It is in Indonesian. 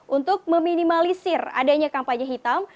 untuk meminimalisir adanya kampanye hitam